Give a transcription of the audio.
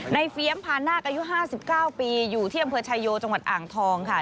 เฟียมพานาคอายุ๕๙ปีอยู่ที่อำเภอชายโยจังหวัดอ่างทองค่ะ